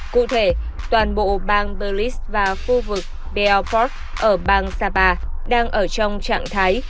cụ thể toàn bộ bang belize và khu vực belfort ở bang sabah đang ở trong trạng thái